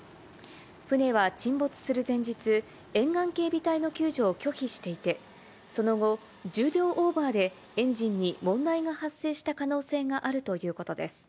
船は沈没する前日、沿岸警備隊の救助を拒否していて、その後、重量オーバーでエンジンに問題が発生した可能性があるということです。